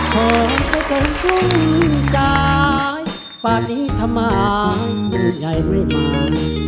ขอให้เจ้าคนรู้จักปฏิภัณฑ์อย่างใหญ่เว้ยมา